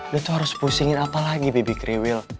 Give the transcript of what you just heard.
lo tuh harus pusingin apalagi baby kreweel